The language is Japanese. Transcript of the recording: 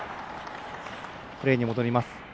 プレーに戻ります。